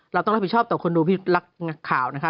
เราต้องรับผิดชอบต่อคนดูพี่รักข่าวนะคะ